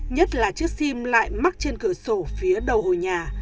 nhất là chiếc sim lại mắc trên cửa sổ phía đầu hồi nhà